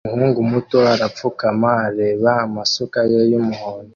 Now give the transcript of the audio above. Umuhungu muto arapfukama areba amasuka ye yumuhondo